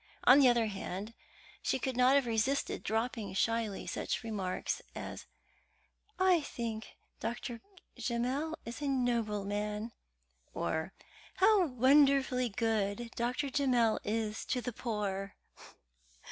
On the other hand, she could not have resisted dropping shyly such remarks as these: "I think Dr. Gemmell is a noble man," or, "How wonderfully good Dr. Gemmell is to the poor!"